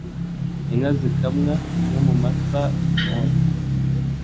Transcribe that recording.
Inka zikamwa (nko mu masaa moya).